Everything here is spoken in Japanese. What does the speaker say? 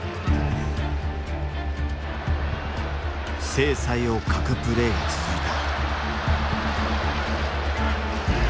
精彩を欠くプレーが続いた。